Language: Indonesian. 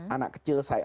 anak kecil saya